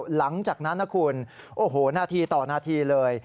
หลังจากนั้นนะคุณโอ้โหนาทีต่อนาทีเลย